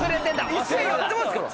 １戦やってますから。